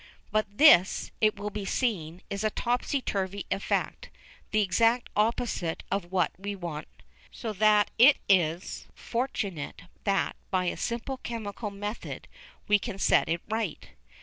But this, it will be seen, is a topsy turvy effect, the exact opposite of what we want, so that it is fortunate that by a simple chemical method we can set it right.